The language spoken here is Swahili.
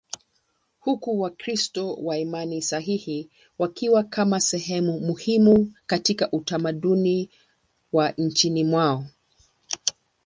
huku Wakristo wa imani sahihi wakiwa kama sehemu muhimu katika utamaduni wa nchini mwao.